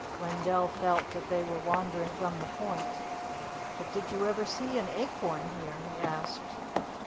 Wendell felt that they were wandering from the point. "But did you ever see an acorn here?" he asked.